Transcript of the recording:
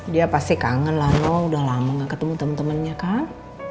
dia pasti kangen lah noah udah lama ga ketemu temen temennya kan